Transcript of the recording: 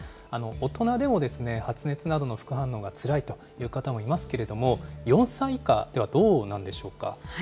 大人でも発熱などの副反応がつらいという方もいますけれども、４歳以下ではどうなんでしょうか。